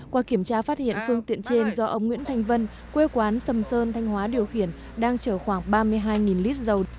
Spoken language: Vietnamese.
qua kiểm tra phát hiện phương tiện trên do ông nguyễn thanh vân quê quán sầm sơn thanh hóa điều khiển đang chở khoảng ba mươi hai lít dầu